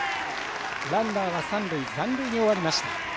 ランナーは三塁残塁に終わりました。